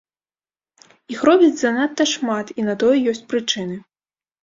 Іх робяць занадта шмат, і на тое ёсць прычыны.